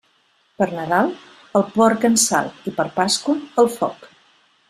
Per Nadal, el porc en sal, i per Pasqua, al foc.